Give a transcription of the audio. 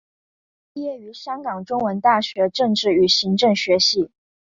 毕业于香港中文大学政治与行政学系。